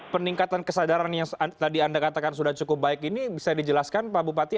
peningkatan kesadaran yang tadi anda katakan sudah cukup baik ini bisa dijelaskan pak bupati